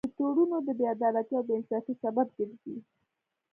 دا تړونونه د بې عدالتۍ او بې انصافۍ سبب ګرځي